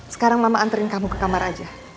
sekarang mama antarin kamu ke kamar aja